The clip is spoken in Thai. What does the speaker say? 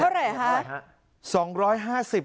เท่าไหร่คะ